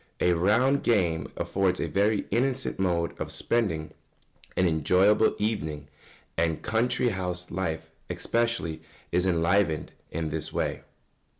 ] A round game affords a very innocent mode of spending an enjoyable evening, and country house life especially is often enlivened in this way.